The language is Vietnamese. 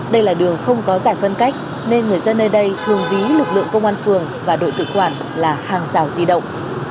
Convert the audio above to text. đây là đường không có giải phân cách nên người dân nơi đây thường ví lực lượng công an phường và đội tự quản là hàng rào di động